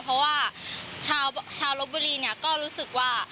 เพราะว่าชาวลบบุรีก็รู้สึกว่า